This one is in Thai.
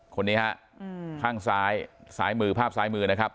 คนนี้ฮะข้างซ้ายซ้ายมือภาพซ้ายมือนะครับ